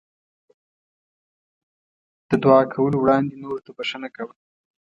د دعا کولو وړاندې نورو ته بښنه کوه.